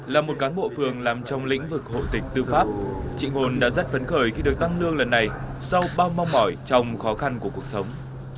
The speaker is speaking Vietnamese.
là một cán bộ phường làm trong lĩnh vực hộ tịch tư pháp chị hồn đã rất phấn khởi khi được tăng lương lần này sau bao mong mỏi trong khó khăn của cuộc sống